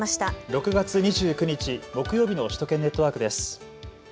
６月２９日木曜日の首都圏ネットワークです。